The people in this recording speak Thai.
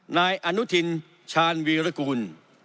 นายอนุทินชาญวีรกูล